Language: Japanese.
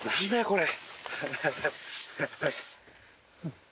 これ。